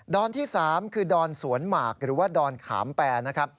ที่๓คือดอนสวนหมากหรือว่าดอนขามแปรนะครับ